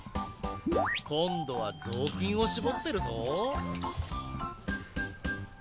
こんどはぞうきんをしぼってるぞ。